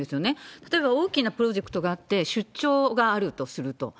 例えば大きなプロジェクトがあって、出張があるとすると。